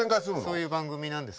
そういう番組なんです。